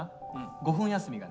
５分休みがね。